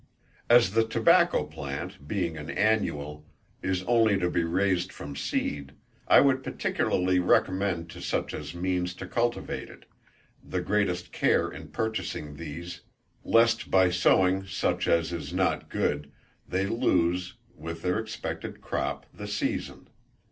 _ As the tobacco plant, being an annual, is only to be raised from seed, I would particularly recommend to such as mean to cultivate it, the greatest care in purchasing these, lest by sowing such as is not good, they lose, with their expected crop, the season.